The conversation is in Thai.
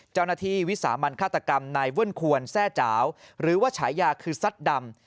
เจ้าหน้าที่วิสามันฆาตกรรมในเวื้นควนแทร่าวหรือว่าฉายาคือซัดดำ